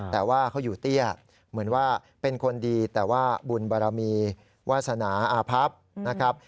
แต่ว่าเขาอยู่เตี้ยเหมือนว่าเป็นคนดีแต่ว่าบุญบารมีวาสนาอาพับนะครับ